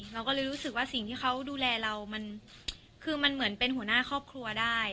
เราก็เลยรู้สึกว่าสิ่งที่เขาดูแลเรามันคือมันเหมือนเป็นหัวหน้าครอบครัวได้